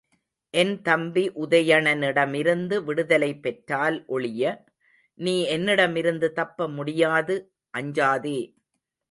என் தம்பி உதயணனிடமிருந்து விடுதலை பெற்றால் ஒழிய நீ என்னிடமிருந்து தப்ப முடியாது, அஞ்சாதே!